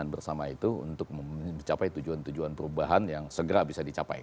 dan bersama itu untuk mencapai tujuan tujuan perubahan yang segera bisa dicapai